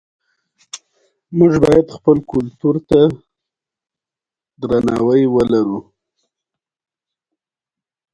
دوی هڅه کړې ده د خدای په باره کې وړاندې کړي.